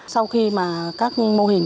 sau khi mà các mô hình